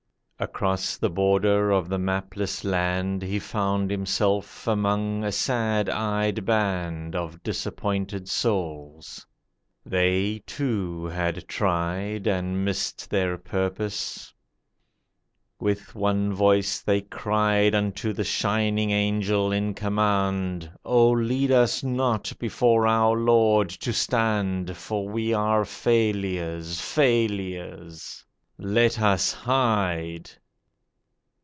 Across the border of the mapless land He found himself among a sad eyed band Of disappointed souls; they, too, had tried And missed their purpose. With one voice they cried Unto the shining Angel in command: 'Oh, lead us not before our Lord to stand, For we are failures, failures! Let us hide.